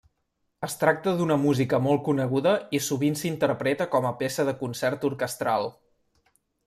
Es tracta d'una música molt coneguda i sovint s'interpreta com a peça de concert orquestral.